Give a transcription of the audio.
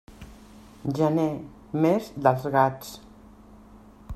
Gener, mes dels gats.